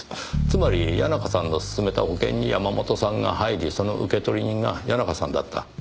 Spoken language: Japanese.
つまり谷中さんが勧めた保険に山本さんが入りその受取人が谷中さんだった。